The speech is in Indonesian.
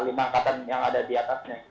lima angkatan yang ada di atasnya